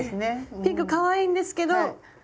ピンクかわいいんですけど。